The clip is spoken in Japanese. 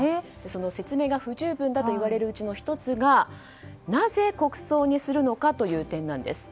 その説明が不十分だと言われるうちの１つがなぜ国葬にするのかという点なんです。